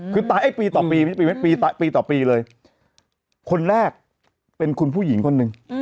คือตายไอ้ปีต่อปีปีต่อปีเลยคนแรกเป็นคุณผู้หญิงคนหนึ่ง